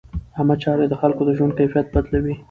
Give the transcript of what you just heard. عامه چارې د خلکو د ژوند کیفیت بدلوي.